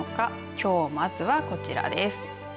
きょうまずはこちらです。